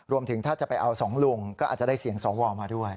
รวมถึงถ้าจะไปเอาสองลงก็อาจจะได้เสียงสองวอลมาด้วย